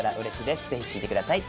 皆さんぜひ聴いてください！